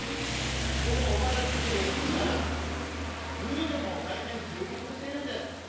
この小原地区ですが、グルメも大変充実しているんです。